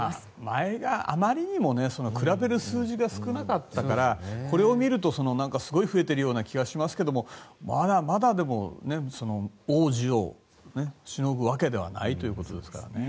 前があまりにも比べる数字が少なかったから、これを見るとすごい増えているような気がしますけれどもまだまだ大需要ではないですよね。